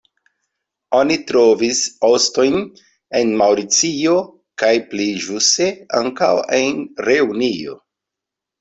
Oni trovis ostojn en Maŭricio kaj pli ĵuse ankaŭ en Reunio.